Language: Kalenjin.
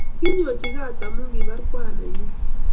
Kinyochi kaat amu kibaar Kwan nenyi